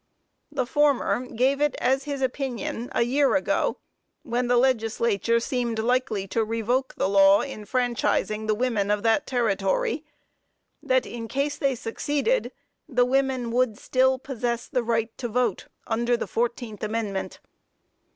The former gave it as his opinion a year ago, when the Legislature seemed likely to revoke the law enfranchising the women of that territory, that, in case they succeeded, the women would still possess the right to vote under the fourteenth amendment.